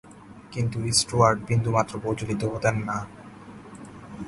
কিন্তু স্টুয়ার্ট বিন্দুমাত্র বিচলিত হতেন না।